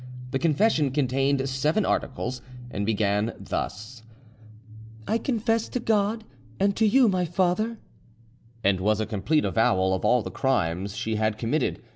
The confession contained seven articles, and began thus, "I confess to God, and to you, my father," and was a complete avowal, of all the crimes she had committed.